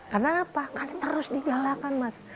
karena apa kan terus digalakan mas